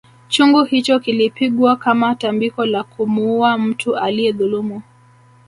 Chungu hicho kilipigwa kama tambiko la kumuuwa mtu aliyedhulumu